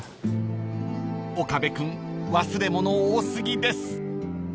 ［岡部君忘れ物多過ぎです］